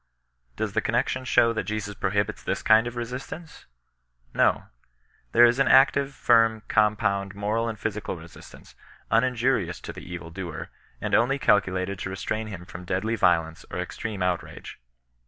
Does the connexion show that Jesus prohibits this kind of resistance ? No. There is an actiye, firm, compound, moral and physical resistance, uninjurious to the evil doer, and on^ calculated to re strain him from deadly riolence or extreme outrage.